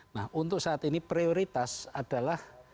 nah untuk saat ini prioritas adalah